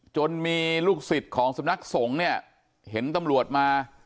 จนมีลูกศิษย์ของสำนักสงฆ์เนี่ยเห็นตำรวจมา